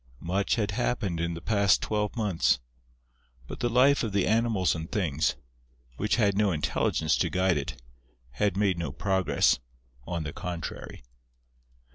Much had happened in the past twelve months; but the life of the Animals and Things, which had no intelligence to guide it, had made no progress, on the contrary.